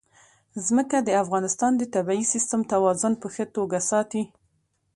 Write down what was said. ځمکه د افغانستان د طبعي سیسټم توازن په ښه توګه ساتي.